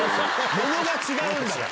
ものが違うんだから。